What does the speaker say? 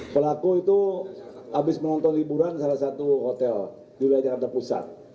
pelaku itu habis menonton liburan salah satu hotel di wilayah jakarta pusat